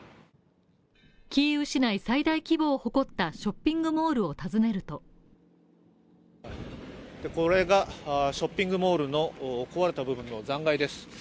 キーウ市内最大規模を誇ったショッピングモールを尋ねるとこれが、ショッピングモールの壊れた部分の残骸です。